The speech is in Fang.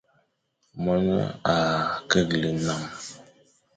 Mone a keghle nnam.